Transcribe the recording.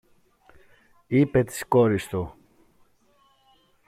είπε της κόρης του